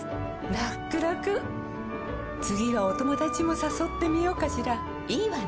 らくらくはお友達もさそってみようかしらいいわね！